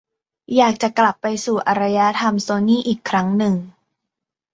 อยากจะกลับไปสู่อารยธรรมโซนี่อีกครั้งหนึ่ง